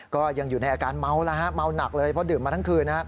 ก็ยังอยู่ในอาการเมาแล้วฮะเมาหนักเลยเพราะดื่มมาทั้งคืน